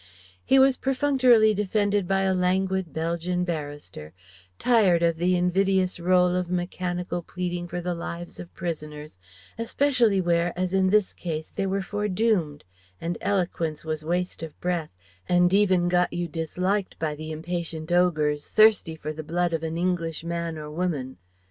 He was perfunctorily defended by a languid Belgian barrister, tired of the invidious rôle of mechanical pleading for the lives of prisoners, especially where, as in this case, they were foredoomed, and eloquence was waste of breath, and even got you disliked by the impatient ogres, thirsty for the blood of an English man or woman....